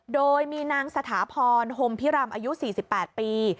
โดยมีนางสถาพรโฮมพิรำอายุ๔๘ปี